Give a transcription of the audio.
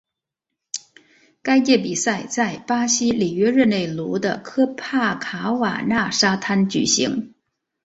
该届比赛在巴西里约热内卢的科帕卡瓦纳沙滩举行。